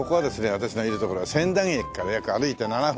私がいる所は千駄木駅から約歩いて７分。